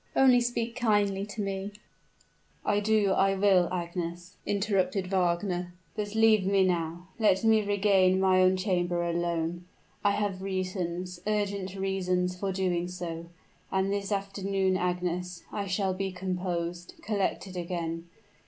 "Only speak kindly to me " "I do, I will, Agnes," interrupted Wagner. "But leave me now! Let me regain my own chamber alone; I have reasons, urgent reasons for so doing; and this afternoon, Agnes, I shall be composed collected again.